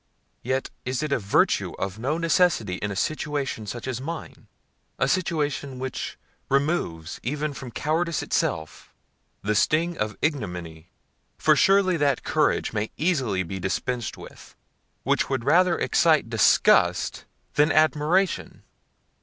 yet is it a virtue of no necessity in a situation such as mine; a situation which removes, even from cowardice itself, the sting of ignominy; for surely that courage may easily be dispensed with, which would rather excite disgust than admiration!